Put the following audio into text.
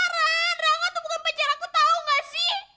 rangga tuh bukan pacaran aku tau gak sih